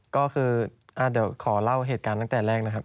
ก็คือเดี๋ยวขอเล่าเหตุการณ์ตั้งแต่แรกนะครับ